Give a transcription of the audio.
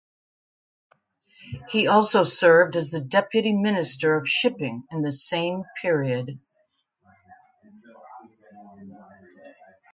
He also served as the Deputy Minister of Shipping in the same period.